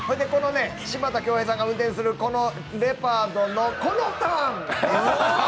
柴田恭兵さんが運転するレパードのこのターン！